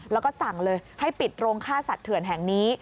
แล้วก็สั่งเลยให้ปิดโรงฆ่าสัตว์เถื่อนแห่งนี้